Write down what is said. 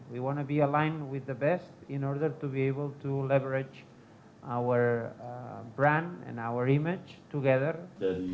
kita ingin berhubungan dengan yang terbaik untuk dapat mengembangkan brand dan imej kita bersama